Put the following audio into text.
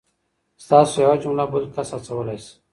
ستاسو یوه جمله بل کس هڅولی سي.